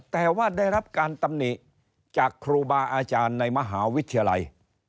แต่ว่าได้รับการตำหนิจากครูบาอาจารย์ในมหาวิทยาลัย